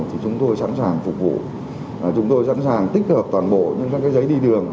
thì chúng tôi sẵn sàng phục vụ chúng tôi sẵn sàng tích hợp toàn bộ những các giấy đi đường